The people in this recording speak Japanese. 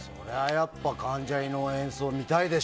やっぱり関ジャニの演奏見たいでしょ。